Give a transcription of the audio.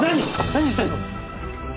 何してんの！？